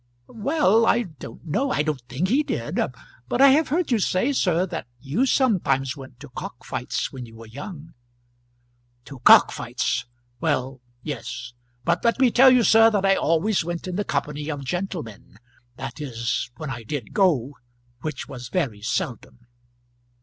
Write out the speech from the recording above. "Well; I don't know; I don't think he did. But I have heard you say, sir, that you sometimes went to cockfights when you were young." "To cockfights! well, yes. But let me tell you, sir, that I always went in the company of gentlemen that is, when I did go, which was very seldom."